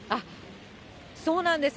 そうなんです。